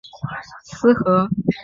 兵事属南女直汤河司。